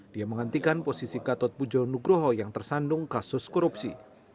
dia menghentikan posisi gatot pujo nugroho yang tersandung kasus korupsi